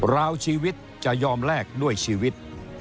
ราวชีวิตจะยอมแลกด้วยชีวิต